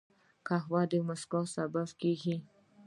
قهوه د مسکا سبب کېږي